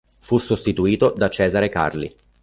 Fu sostituito da Cesare Carli.